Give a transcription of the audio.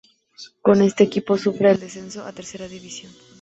Con este equipo sufre el descenso a Tercera División.